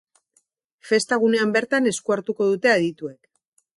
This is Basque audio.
Festa gunean bertan esku hartuko dute adituek.